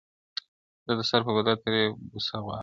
زه د سر په بدله ترې بوسه غواړم,